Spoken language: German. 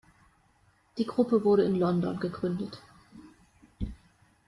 Die Gruppe wurde in London gegründet.